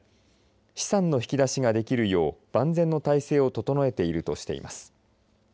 資産の引き出しができるよう万全の体制を整えているとしています。